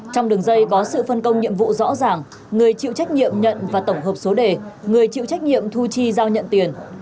trong đường dây có sự phân công nhiệm vụ rõ ràng người chịu trách nhiệm nhận và tổng hợp số đề người chịu trách nhiệm thu chi giao nhận tiền